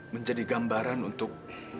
menjadi gambaran untuk